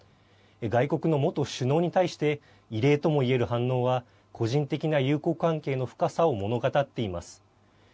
外国の元首脳に対して異例ともいえる反応は個人的な友好関係の深さを物語っています。